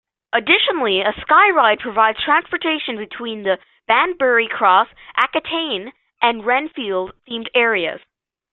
Additionally, a skyride provides transportation between the Banbury Cross, Aquitaine, and Rhinefeld themed areas.